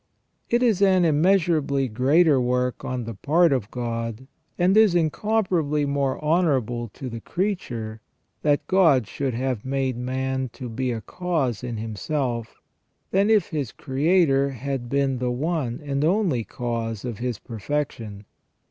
It is an immeasurably greater work on the part of God, and is incomparably more honourable to the creature, that God should have made man to be a cause in himself, than if his Creator had been the one and only cause of his perfection.